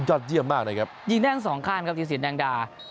ยอดเยี่ยมมากเลยครับยิงแน่นสองข้านครับธีรศิลป์แดงดา